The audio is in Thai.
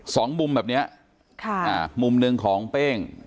สองมุมแบบเนี้ยค่ะอ่ามุมหนึ่งของเป้ง